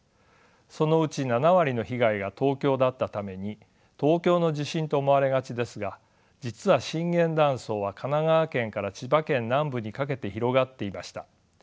そのうち７割の被害が東京だったために東京の地震と思われがちですが実は震源断層は神奈川県から千葉県南部にかけて広がっていました。